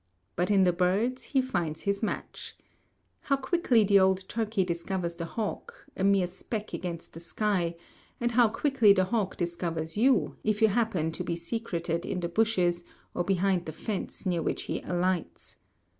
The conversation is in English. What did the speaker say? But in the birds he finds his match. How quickly the old turkey discovers the hawk, a mere speck against the sky, and how quickly the hawk discovers you if you happen to be secreted in the bushes, or behind the fence near which he alights!